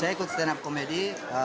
saya ikut stand up komedi